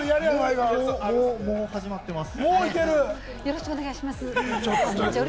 もう始まってます。